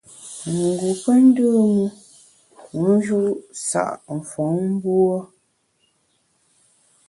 Ngu pe ndùm u, wu nju’ sa’ mfom mbuo.